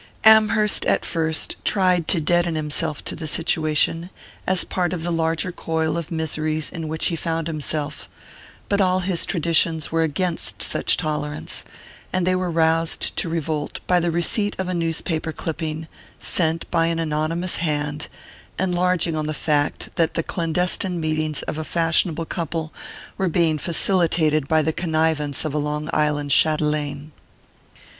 Amherst at first tried to deaden himself to the situation, as part of the larger coil of miseries in which he found himself; but all his traditions were against such tolerance, and they were roused to revolt by the receipt of a newspaper clipping, sent by an anonymous hand, enlarging on the fact that the clandestine meetings of a fashionable couple were being facilitated by the connivance of a Long Island châtelaine.